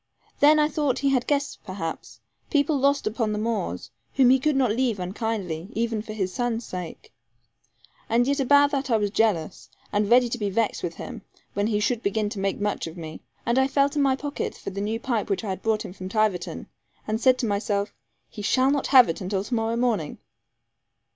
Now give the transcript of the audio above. Then I thought he had guests perhaps people lost upon the moors whom he could not leave unkindly, even for his son's sake. And yet about that I was jealous, and ready to be vexed with him, when he should begin to make much of me. And I felt in my pocket for the new pipe which I had brought him from Tiverton, and said to myself, 'He shall not have it until to morrow morning.'